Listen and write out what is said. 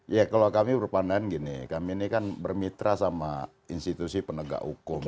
ya kalau kami berpandangan gini kami ini kan bermitra sama institusi penegak hukum